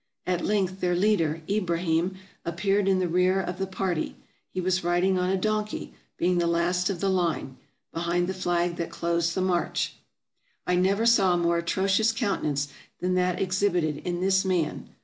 At length their leader, Ibrahim, ap peared in the rear of the party. He was riding on a don key, being the last of the line, behind the flag that closed the march. I never saw a more atrocious countenance than that ex hibited in this man.